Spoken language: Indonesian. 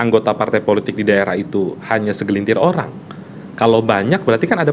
anggota partai politik di daerah itu hanya segelintir orang kalau banyak berarti kan ada